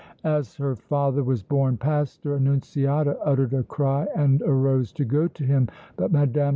As her father was borne past her, Annunziata uttered a cry and arose to go to him, but Mme.